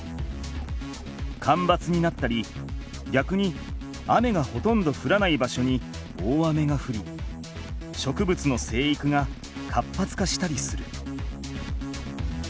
かんばつになったりぎゃくに雨がほとんどふらない場所に大雨がふり植物の生育が活発化したりする。